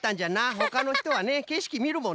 ほかのひとはねけしきみるもんな。